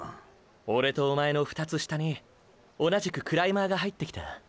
オレとおまえの二つ下に同じくクライマーが入ってきた。